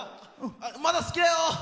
まだ好きだよ！